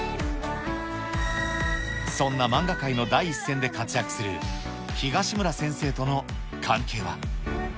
そんな漫画界の第一線で活躍する、東村先生との関係は。